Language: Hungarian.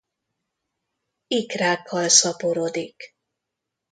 Ikrákkal szaporodik.